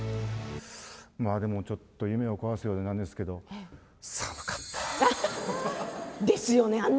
まあ、でもちょっと夢を壊すようでなんですけどですよね